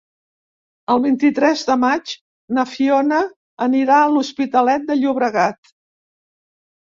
El vint-i-tres de maig na Fiona anirà a l'Hospitalet de Llobregat.